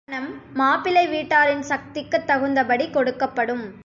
பரிசப்பணம் மாப்பிள்ளை வீட்டாரின் சக்திக்குத் தகுந்தபடி கொடுக்கப்படும்.